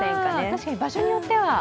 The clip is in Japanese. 確かに場所によっては。